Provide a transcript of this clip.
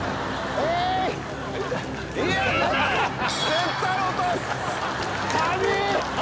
絶対落とす！